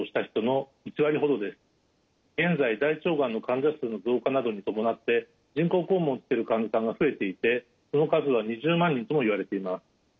現在大腸がんの患者数の増加などに伴って人工肛門をつける患者さんが増えていてその数は２０万人ともいわれています。